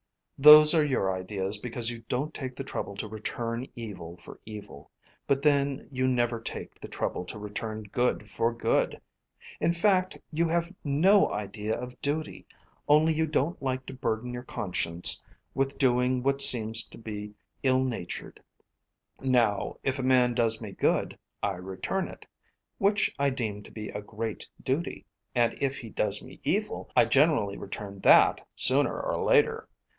"Those are your ideas because you don't take the trouble to return evil for evil. But then you never take the trouble to return good for good. In fact, you have no idea of duty, only you don't like to burden your conscience with doing what seems to be ill natured. Now, if a man does me good, I return it, which I deem to be a great duty, and if he does me evil, I generally return that sooner or later.